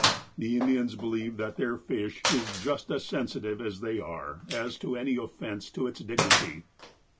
The Indians believe that their fish is just as sensitive as they are as to any offense to its dignity.